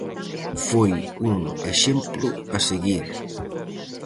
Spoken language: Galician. Foi un exemplo a seguir.